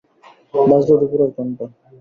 বাজল দুপুরের ঘণ্টা।